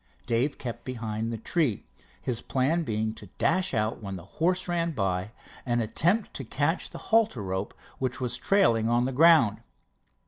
Dave kept behind the tree, his plan being to dash out when the horse ran by, and attempt to catch the halter rope which was trailing on the ground.